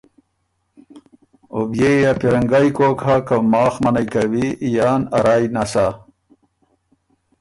او بيې يې ا پیرنګئ کوک هۀ که ماخ منعئ کوی یان ا رائ نسا